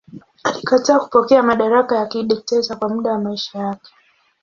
Alikataa kupokea madaraka ya dikteta kwa muda wa maisha yake.